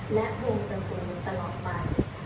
และวงตระมคลตลอดไป